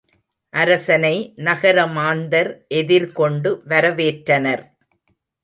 அரசனை நகர மாந்தர் எதிர் கொண்டு வரவேற்றனர்.